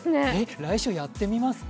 来週やってみますか？